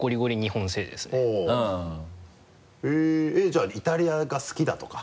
じゃあイタリアが好きだとか？